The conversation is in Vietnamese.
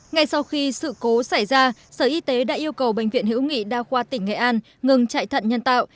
ngay sau khi sự cố xảy ra sở y tế đã yêu cầu bệnh viện hữu nghị đa khoa tỉnh nghệ an ngừng chạy thận nhân tạo